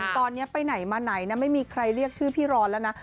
ตอนนี้ไปไหนมาไหนนะไม่มีใครเรียกชื่อพี่ร้อนแล้วนะ